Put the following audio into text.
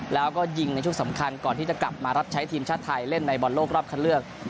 แล้วก็ยิงในช่วงสำคัญก่อนที่จะกลับมารับใช้ทีมชาติไทยเล่นในบอลโลกรอบคันเลือก